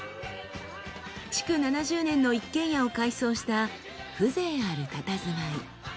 築７０年の一軒家を改装した風情あるたたずまい。